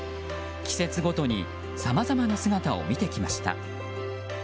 季節ごとにさまざまな姿を見てきました。